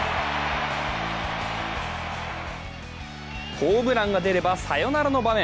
ホームランが出ればサヨナラの場面。